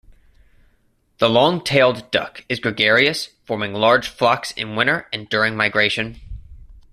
The long-tailed duck is gregarious, forming large flocks in winter and during migration.